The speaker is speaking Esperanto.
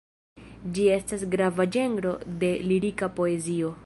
Ĝi estas grava ĝenro de lirika poezio.